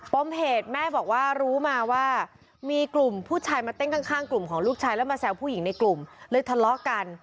มเหตุแม่บอกว่ารู้มาว่ามีกลุ่มผู้ชายมาเต้นข้างกลุ่มของลูกชายแล้วมาแซวผู้หญิงในกลุ่มเลยทะเลาะกัน